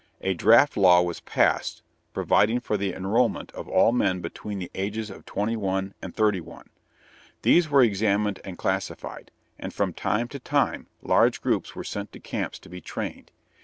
A draft law was passed providing for the enrollment of all men between the ages of twenty one and thirty one. These were examined and classified, and from time to time large groups were sent to camps to be trained.